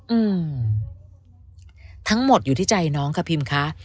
อืมทั้งหมดอยู่ที่ใจน้องค่ะพิมค่ะ